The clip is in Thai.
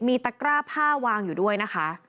มีตะกร้าผ้าวางอยู่ด้วยนะคะ